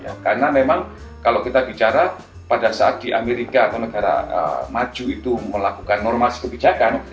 dua ribu dua puluh dua ya karena memang kalau kita bicara pada saat di amerika atau negara maju itu melakukan normalisasi kebijakan